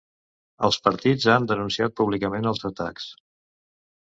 Els partits han denunciat públicament els atacs.